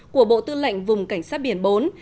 của bộ tư lệnh vùng cảnh sát biển bốn